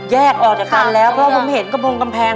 แยกออกจากกันแล้วเพราะผมเห็นกระโปรงกำแพง